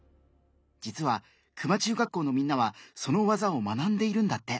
実は球磨中学校のみんなはその技を学んでいるんだって。